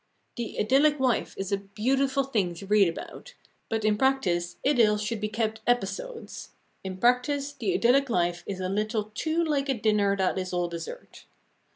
The idyllic wife is a beautiful thing to read about, but in practice idylls should be kept episodes; in practice the idyllic life is a little too like a dinner that is all dessert.